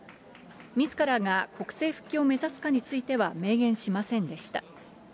みずからが国政復帰を目指すかについては、明言しませんでした。